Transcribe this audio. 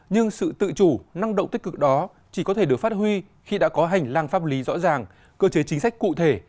nhưng sự tự chủ năng động tích cực đó chỉ có thể được phát huy khi đã có hành lang pháp lý rõ ràng cơ chế chính sách cụ thể